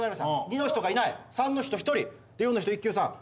２の人がいない３の人１人で４の人イッキュウさん